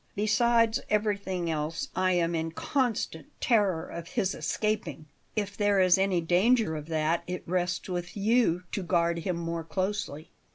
Besides everything else, I am in constant terror of his escaping." "If there is any danger of that, it rests with you to guard him more closely."